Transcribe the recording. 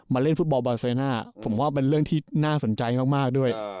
เล่นฟุตบอลบาเซน่าผมว่าเป็นเรื่องที่น่าสนใจมากด้วย